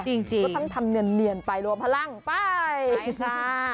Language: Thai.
จริงก็ทั้งทำเนียนไปรวมพลังไปไปค่ะ